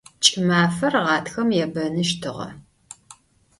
Ç'ımafer ğatxem yêbenıştığe.